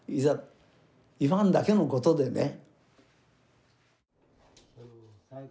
言わんだけのことでね。